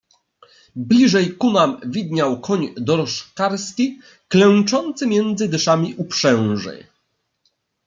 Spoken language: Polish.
"Bliżej ku nam widniał koń dorożkarski, klęczący między dyszlami uprzęży."